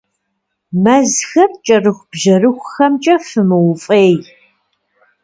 Мэзхэр кӀэрыхубжьэрыхухэмкӀэ фымыуфӀей.